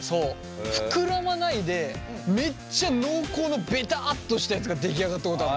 膨らまないでめっちゃ濃厚のベタっとしたやつが出来上がったことある。